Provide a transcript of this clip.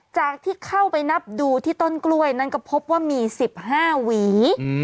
จากที่เข้าไปนับดูที่ต้นกล้วยนั้นก็พบว่ามี๑๕หวี